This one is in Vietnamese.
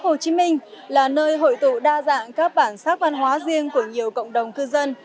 hồ chí minh là nơi hội tụ đa dạng các bản sắc văn hóa riêng của nhiều cộng đồng cư dân